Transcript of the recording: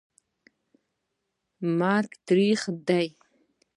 مرګ تریخ دي